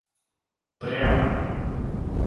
прямо